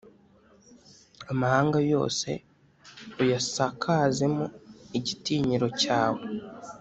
amahanga yose uyasakazemo igitinyiro cyawe.